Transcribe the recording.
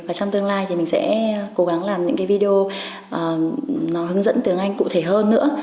và trong tương lai thì mình sẽ cố gắng làm những cái video nó hướng dẫn tiếng anh cụ thể hơn nữa